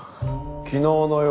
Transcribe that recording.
昨日の夜